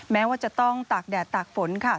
แม้ว่าจะต้องตากแดดตากฝนค่ะ